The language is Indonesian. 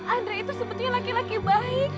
andre itu sebetulnya laki laki baik